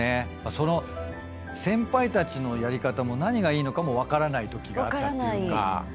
その先輩たちのやり方も何がいいのかも分からないときがあったっていうか。